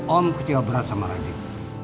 om kecewa benar sama radit